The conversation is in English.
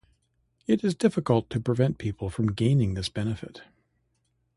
It is difficult to prevent people from gaining this benefit.